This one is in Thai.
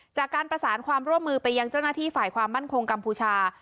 จากการประสานความร่วมมือไปยังเจ้าหน้าที่ฝ่ายความมั่นคงกัมพูชา